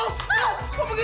kok begitu luka aja